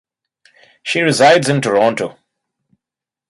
She resides in Toronto.